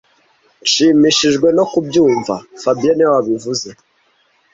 Nshimishijwe no kubyumva fabien niwe wabivuze